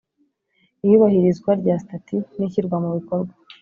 iyubahirizwa rya sitati n ishyirwa mu bikorwa